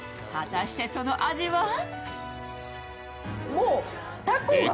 果たしてその味は？